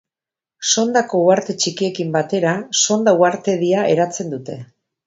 Sondako uharte txikiekin batera, Sonda uhartedia eratzen dute.